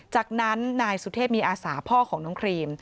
จากนั้นนายสุเทพมีอาสาพ่อของน้องครีม